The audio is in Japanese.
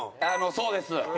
そうです。